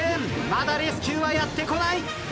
まだレスキューはやって来ない。